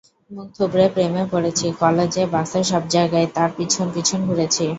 মুখ থুবড়ে প্রেমে পড়েছি, কলেজে, বাসে, সবজায়গা তার পিছন পিছন ঘুরেছি।